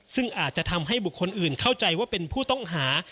ซึ่งอาจจะทำให้บุคคลอื่นเข้าใจว่าเป็นผู้ต้องหา